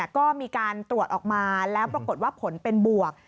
ก็มีการตรวจออกมาแล้วปรากฏว่าผลเป็นบวก